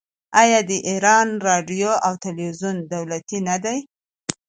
آیا د ایران راډیو او تلویزیون دولتي نه دي؟